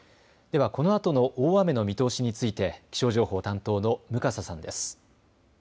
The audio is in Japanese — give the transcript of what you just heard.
ではこのあとの大雨の見通しについて気象情報担当の向笠さんです。